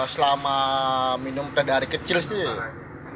selama minum teh dari kecil sih